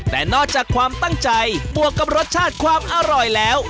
แต่นอกจากความตั้งใจบวกกับรสชาติความอร่อยแล้ว